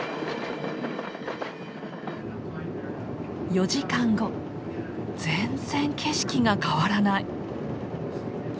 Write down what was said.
４時間後全然景色が変わらない。